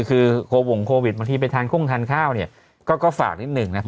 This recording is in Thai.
คือโควงโควิดบางทีไปทานโค้งทานข้าวเนี่ยก็ฝากนิดหนึ่งนะ